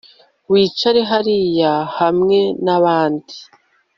Wicare hariya hamwe nabandi